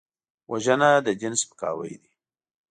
وژنه د دین سپکاوی دی